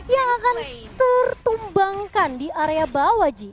yang akan tertumbangkan di area bawah ji